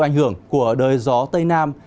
ảnh hưởng của đời gió tây nam